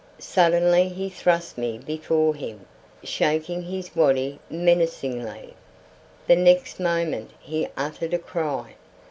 Suddenly he thrust me before him, shaking his waddy menacingly. The next moment he uttered a cry.